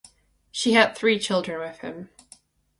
She had three children with him.